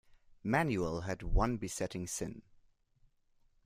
Manuel had one besetting sin.